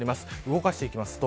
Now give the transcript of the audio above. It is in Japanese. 動かしていきます。